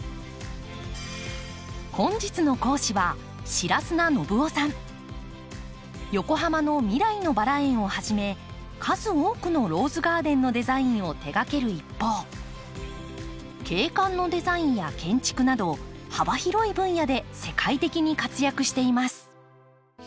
本日の講師は横浜の未来のバラ園をはじめ数多くのローズガーデンのデザインを手がける一方景観のデザインや建築など幅広い分野で世界的に活躍しています。